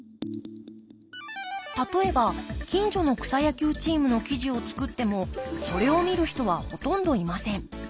例えば近所の草野球チームの記事を作ってもそれを見る人はほとんどいません。